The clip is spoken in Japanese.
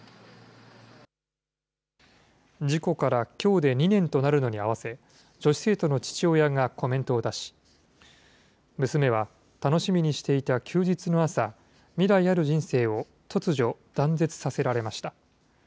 事故からきょうで２年となるのに合わせ、女子生徒の父親がコメントを出し、娘は楽しみにしていた休日の朝、未来ある人生を、突如、断絶させられました。